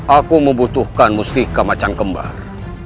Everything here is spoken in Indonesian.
aku membutuhkan musti kemacang kembar